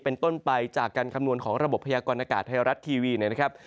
เป็นต้นไปจากการคำนวณของระบบพยากรณากาศไทยรัฐทีวีเนี่ยนะครับ